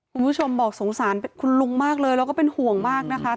คุณผู้ชมบอกสงสารคุณลุงมากเลยแล้วก็เป็นห่วงมากนะคะ